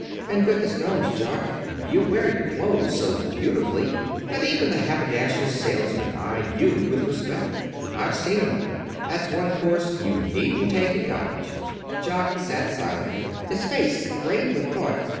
And, goodness knows, Jock, you wear your clothes so beautifully that even the haberdashers' salesmen eye you with respect. I've seen 'em. That's one course you needn't take at college." Jock sat silent, his face grave with thought.